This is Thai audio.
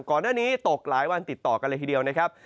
ก่อนหน้านี้ตกหลายวันติดต่อกันเลยทีเดียวนะครับ